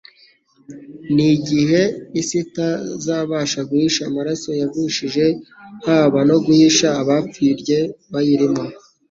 n'igihe isi itazabasha guhisha amaraso yavushije haba no guhisha abapfirye bayirimo.